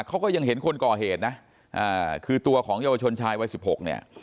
เขาก็ยังเห็นคนก่อเหตุนะคือตัวของเยาวชนชายวัยสิบหกเนี่ย